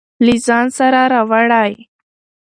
له ځان سره راوړئ.